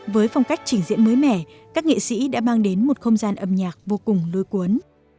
với phong cách trình diễn mới mẻ các nghệ sĩ đã mang đến một không gian âm nhạc vô cùng lôi cuốn